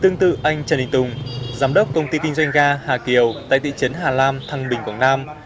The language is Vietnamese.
nguyễn tùng giám đốc công ty kinh doanh ga hà kiều tại thị trấn hà lam thăng bình quảng nam